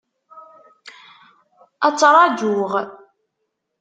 Ad ttraǧuɣ.